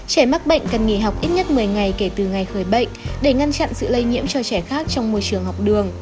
trẻ mắc bệnh cần nghỉ học ít nhất một mươi ngày kể từ ngày khởi bệnh để ngăn chặn sự lây nhiễm cho trẻ khác trong môi trường học đường